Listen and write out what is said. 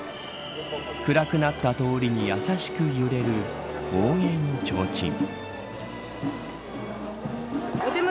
暗くなった通りに優しく揺れる奉迎のちょうちん。